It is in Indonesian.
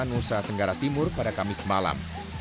nusa tenggara timur pada kamis malam